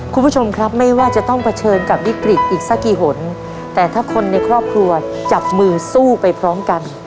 คุณผู้ชมครับไม่ว่าจะต้องเผชิญกับวิกฤตอีกสักกี่หนแต่ถ้าคนในครอบครัวจับมือสู้ไปพร้อมกัน